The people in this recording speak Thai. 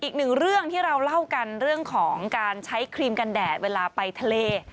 อีกหนึ่งเรื่องที่เราเล่ากันเรื่องของการใช้ครีมกันแดดเวลาไปทะเล